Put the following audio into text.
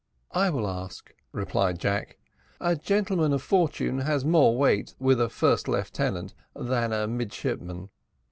"I will ask," replied Jack; "a gentleman of fortune has more weight with a first lieutenant than a midshipman."